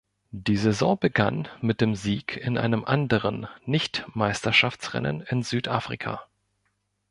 Die Saison begann mit dem Sieg in einem anderen Nicht-Meisterschaftsrennen in Südafrika.